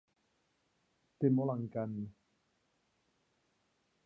Té molt encant.